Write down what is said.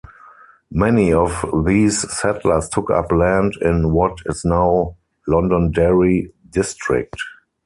Many of these settlers took up land in what is now Londonderry district.